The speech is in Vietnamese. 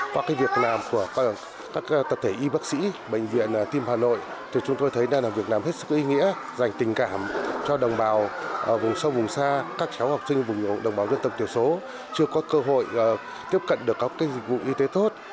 qua cái việc làm của các tập thể y bác sĩ bệnh viện tim hà nội thì chúng tôi thấy là việc làm hết sức ý nghĩa dành tình cảm cho đồng bào vùng sâu vùng xa các cháu học sinh vùng dân tộc tiểu số chưa có cơ hội tiếp cận được các dịch vụ y tế tốt